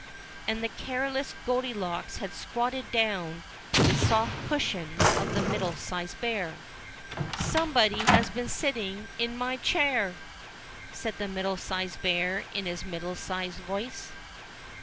And the careless Goldilocks had squatted down the soft cushion of the Middle sized Bear. "somebody has been sitting in my chair!" said the Middle sized Bear in his middle sized voice.